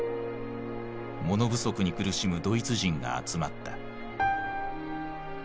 物不足に苦しむドイツ人が集まった。